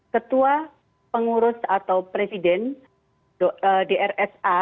ketua pengurus atau presiden drsa